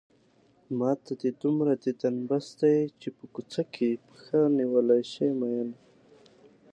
ماته دې دومره ديدن بس دی چې په کوڅه کې پښه نيولی شې مينه